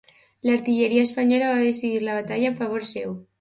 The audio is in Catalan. L'artilleria espanyola va decidir la batalla en favor seu.